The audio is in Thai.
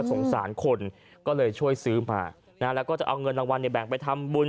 แล้วก็สงสารคนก็เลยช่วยซื้อมาแล้วก็จะเอาเงินรางวัลแบ่งไปทำบุญ